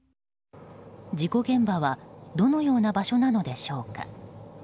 事故現場はどのような場所なのでしょうか。